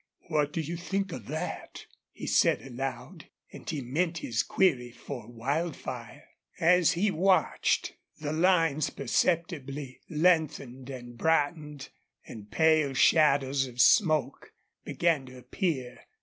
"What do you think of that?" he said, aloud, and he meant his query for Wildfire. As he watched the lines perceptibly lengthened and brightened and pale shadows of smoke began to appear.